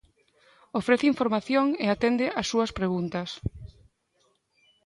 Ofrece información e atende as súas preguntas.